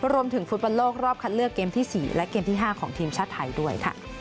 รวมถึงฟุตบอลโลกรอบคัดเลือกเกมที่๔และเกมที่๕ของทีมชาติไทยด้วยค่ะ